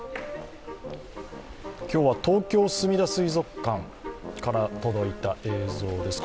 今日は東京すみだ水族館から届いた映像です。